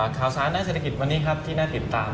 ข่าวสารด้านเศรษฐกิจวันนี้ครับที่น่าติดตาม